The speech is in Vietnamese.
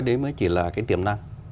đấy mới chỉ là cái tiềm năng